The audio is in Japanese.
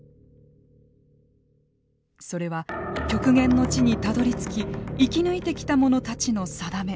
それは極限の地にたどりつき生き抜いてきたものたちの定め